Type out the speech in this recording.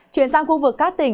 chuyển sang khu vực các tỉnh